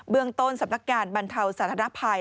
เรื่องต้นสำนักงานบรรเทาสาธารณภัย